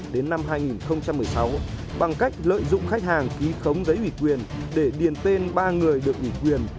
đến năm hai nghìn một mươi sáu bằng cách lợi dụng khách hàng ký khống giấy ủy quyền để điền tên ba người được ủy quyền